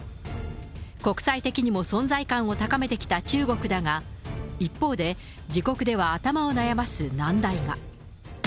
国際的にも存在感を高めてきた中国だが、一方で、自国では頭を悩ます難題が。